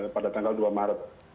pada tanggal dua maret